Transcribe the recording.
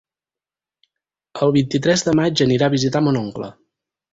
El vint-i-tres de maig anirà a visitar mon oncle.